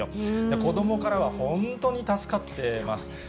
子どもからは、本当に助かってます。